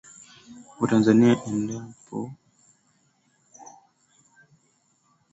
wa TanzaniaEndapo nafasi hiyo angepewa mwanasiasa anayefahamika kwa kuwa na matamanio makubwa ya